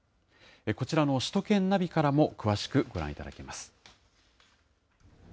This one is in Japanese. こちらの首都圏ナビからも詳しくご覧いただけます。